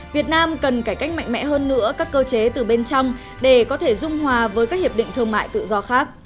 việt nam cần cải cách mạnh mẽ hơn nữa các cơ chế từ bên trong để có thể dung hòa với các hiệp định thương mại tự do khác